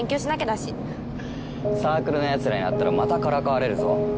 サークルの奴らに会ったらまたからかわれるぞ。